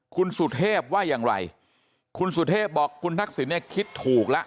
คุณสุเทพว่าอย่างไรคุณสุเทพบอกคุณทักษิณเนี่ยคิดถูกแล้ว